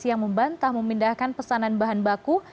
yang membantah memindahkan pesanan bahan baku